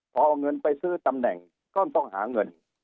พอเอาเงินไปซื้อตำแหน่งก็ต้องหาเงิน